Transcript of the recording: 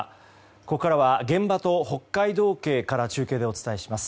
ここからは現場と北海道警から中継でお伝えします。